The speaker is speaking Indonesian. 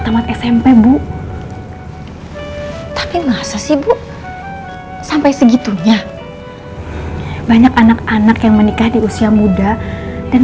tamat smp bu tapi masa sih bu sampai segitunya banyak anak anak yang menikah di usia muda dan